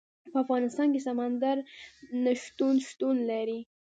په افغانستان کې سمندر نه شتون شتون لري.